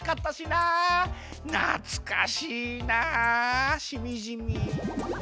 なつかしいなしみじみ。